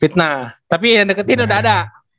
fitnah tapi yang deketin udah ada